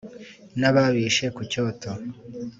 n'ababishe ku cyoto,